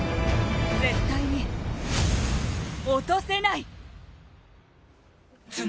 絶対に落とせない！